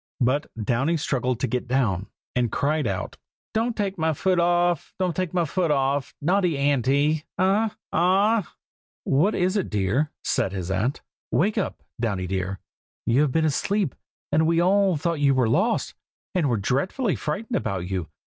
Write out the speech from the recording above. But Downy struggled to get down, and cried out "Don't take my foot off! don't take my foot off! naughty Auntie! a a a ah! a a ah!" "What is it, dear?" said his aunt. "Wake up, Downy dear! you have been asleep, and we all thought you were lost, and were dreadfully frightened about you.